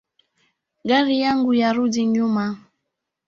Gari yangu yarudi nyuma